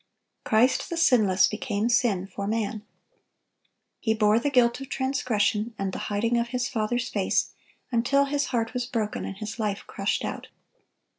Christ the sinless became sin for man. He bore the guilt of transgression, and the hiding of His Father's face, until His heart was broken and His life crushed out.